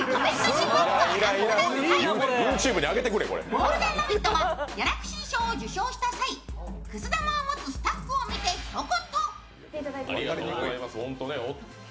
「ゴールデンラヴィット！」がギャラクシー賞を受賞した際、くす玉を持つスタッフを見てひと言。